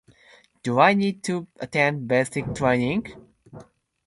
Do I need to attend Basic Training?